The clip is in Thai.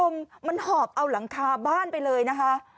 มันหอบเอาหลังคาบ้านไปเลยนะคะ